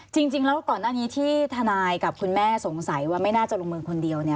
จริงแล้วก่อนหน้านี้ที่ทนายกับคุณแม่สงสัยว่าไม่น่าจะลงมือคนเดียว